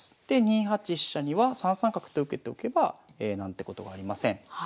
で２八飛車には３三角と受けておけば何てことはありません。